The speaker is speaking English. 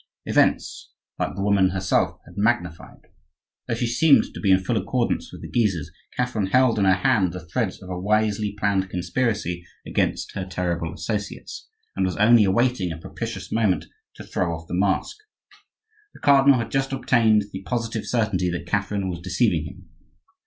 Events, like the woman herself, had magnified. Though she seemed to be in full accordance with the Guises, Catherine held in her hand the threads of a wisely planned conspiracy against her terrible associates, and was only awaiting a propitious moment to throw off the mask. The cardinal had just obtained the positive certainty that Catherine was deceiving him.